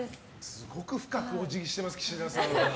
すごく深くお辞儀してます岸田さん。